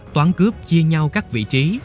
toán cướp chia nhau các vị trí